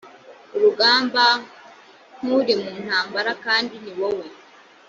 urugamba nk uri mu ntambara kandi ni wowe